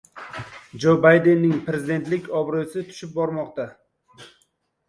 Jo Baydenning Prezidentlik obro‘si tushib bormoqda